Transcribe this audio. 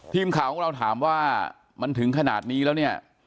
ทีมข่าวของเราถามว่ามันถึงขนาดนี้แล้วเนี่ย